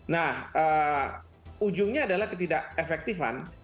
nah ujungnya adalah ketidak efektifan